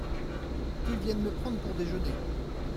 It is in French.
Qu’il vienne me prendre pour déjeuner.